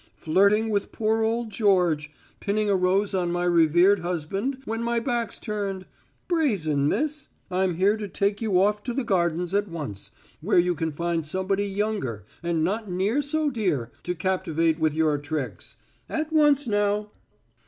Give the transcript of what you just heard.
Flirting with poor old George pinning a rose on my revered husband when my back's turned? Brazen miss. I'm here to take you off to the gardens at once, where you can find somebody younger and not near so dear to captivate with your tricks. At once, now!"